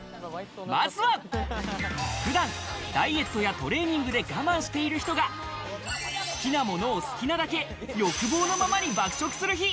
まずは、普段ダイエットやトレーニングで我慢している人が好きなものを好きなだけ、欲望のままに爆食する日。